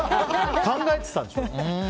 考えてたんでしょ。